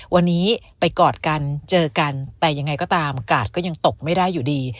วันนี้ไปกอดกันเจอกันแต่ยังไงก็ตามกาดก็ยังตกไม่ได้อยู่ดี